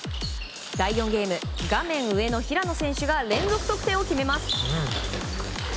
第４ゲーム、画面上の平野選手が連続得点を決めます。